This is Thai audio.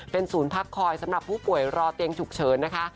เป็นศูนย์พักคอยสำหรับผู้ป่วยรอเตียงฉุกเฉินนะคะ